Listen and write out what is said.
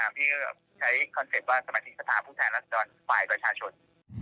พี่ก็ใช้คอนเซ็ปต์ว่าสมัครสิทธิ์สถานพูดแทนรัฐจรภายประชาชน